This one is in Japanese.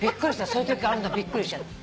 そういうときあるんだびっくりしちゃった。